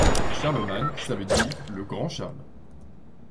Charlemagne ça veut dire le grand Charles.